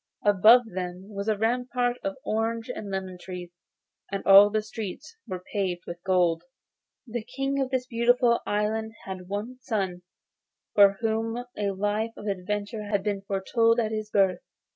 Above them was a rampart of orange and lemon trees, and all the streets were paved with gold. The King of this beautiful island had one son, for whom a life of adventure had been foretold at his birth.